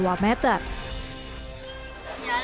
ya lebih enak sih